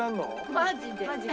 マジで！